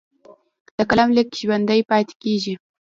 د قلم لیک ژوندی پاتې کېږي.